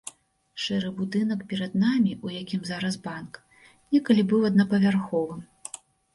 Шэры будынак перад намі, у якім зараз банк, некалі быў аднапавярховым.